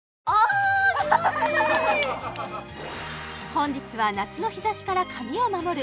本日は夏の日ざしから髪を守る